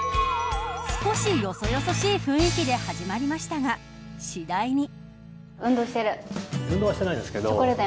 少し、よそよそしい雰囲気で始まりましたが次第に。